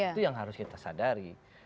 itu yang harus kita sadari